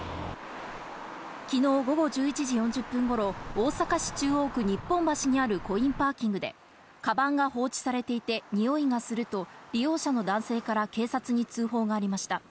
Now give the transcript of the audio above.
昨日午後１１時４０分頃、大阪市中央区日本橋にあるコインパーキングで、カバンが放置されていて、臭いがすると利用者の男性から警察に通報がありました。